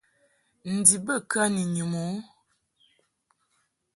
Ndib bə kə ni nyum u ?